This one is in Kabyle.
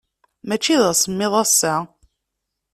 Mačči d asemmiḍ ass-a.